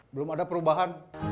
belum ada perubahan